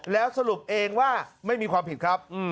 แล้วสรุปเองว่าไม่มีความผิดครับ